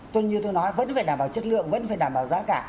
tôi như tôi nói vẫn phải đảm bảo chất lượng vẫn phải đảm bảo giá cả